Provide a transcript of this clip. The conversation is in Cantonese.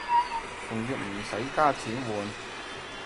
仲要唔使加錢換